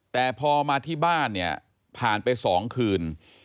แต่พอมาที่บ้านเนี่ยผ่านไป๒คืน